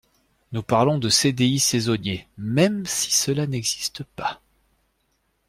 Nous parlons de CDI saisonnier, même si cela n’existe pas.